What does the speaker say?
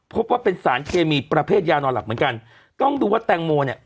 พบว่าเป็นสารเคมีประเภทยานอนหลับเหมือนกันต้องดูว่าแตงโมเนี่ย